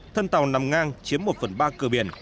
thân tàu nằm ngang chiếm một phần ba cửa biển